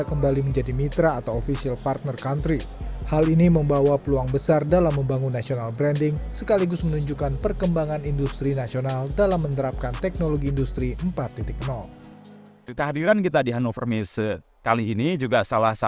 pemerintahan industri terbesar